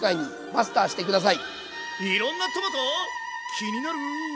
気になる。